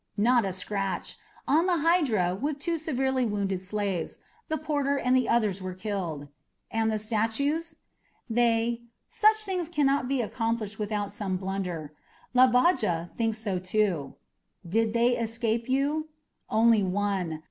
"Not a scratch. On the Hydra, with two severely wounded slaves. The porter and the others were killed." "And the statues?" "They such things can't be accomplished without some little blunder Labaja thinks so, too." "Did they escape you?" "Only one.